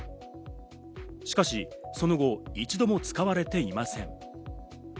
しかしその後、一度も使われていません。